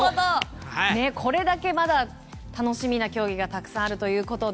これだけまだ楽しみな競技がたくさんあるということで。